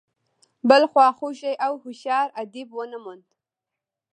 بل خواخوږی او هوښیار ادیب ونه موند.